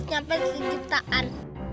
banyak banget nyampe sejutaan